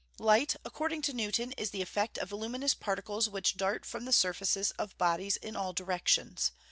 _ Light, according to Newton, is the effect of luminous particles which dart from the surfaces of bodies in all directions.